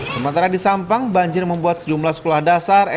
sementara di sampang banjir membuat sejumlah sekolah dasar